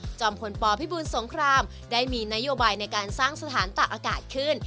จอมพลปพิบูลสงครามได้มีนโยบายในการสร้างสถานตักอากาศขึ้น